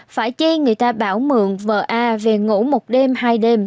phải chi người ta bảo mượn vợ a về ngủ một đêm hay đêm